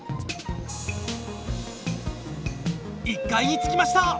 １階に着きました。